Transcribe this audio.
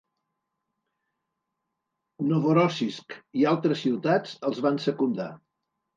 Novorossisk i altres ciutats els van secundar.